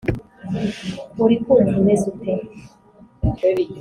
urikumva umeze ute?”